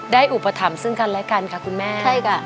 ได้อุปถัมธ์ซึ่งกันและกันค่ะคุณแม่